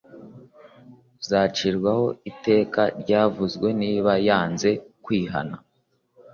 uzacirwaho iteka ryavuzwe niba yanze kwihana.